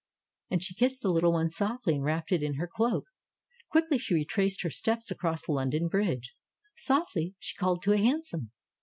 And she kissed the little one softly and wrapped it in her cloak. Quickly she retraced her steps across Lon don Bridge. Softly she called to a hansom.